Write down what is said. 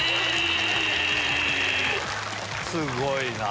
すごいな。